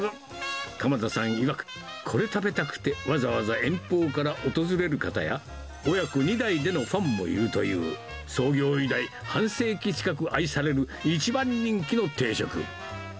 鎌田さんいわく、これ食べたくてわざわざ遠方から訪れる方や、親子２代でのファンもいるという、創業以来、半世紀近く愛される一番人気の定食。